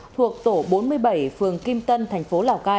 thuộc tổ bốn mươi bảy phường kim tân thành phố lào cai